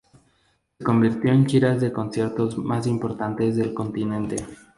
Se convirtió en giras de conciertos más importantes del continente.